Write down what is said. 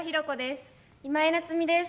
今井菜津美です。